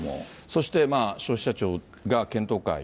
そしてまあ消費者庁が検討会。